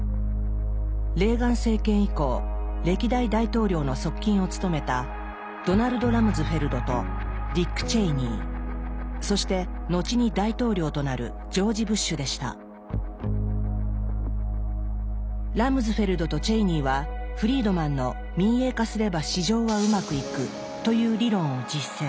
レーガン政権以降歴代大統領の側近を務めたそして後に大統領となるラムズフェルドとチェイニーはフリードマンの「民営化すれば市場はうまくいく」という理論を実践。